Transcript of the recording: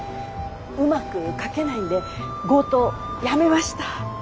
うまく書けないんで強盗やめました。